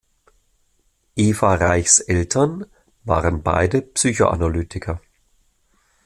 Eva Reichs Eltern waren beide Psychoanalytiker.